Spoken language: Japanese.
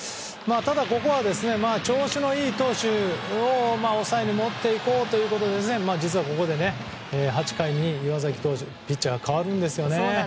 ただ、ここは調子のいい投手を抑えに持っていこうということで実は、ここで８回に岩崎投手ピッチャーが代わるんですよね。